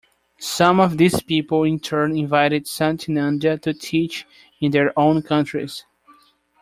Some of these people in turn invited Satyananda to teach in their own countries.